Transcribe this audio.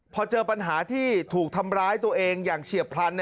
พอเจอปัญหาที่ถูกทำร้ายตัวเองอย่างเฉียบพลัน